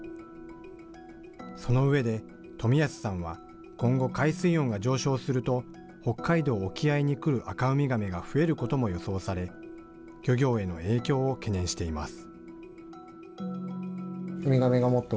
その上で富安さんは、今後、海水温が上昇すると、北海道沖合に来るアカウミガメが増えることも予想され、漁業への影響を懸念しています。